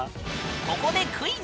ここでクイズ！